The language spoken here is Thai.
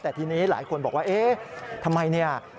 แต่ทีนี้หลายคนบอกว่าทำไมนี่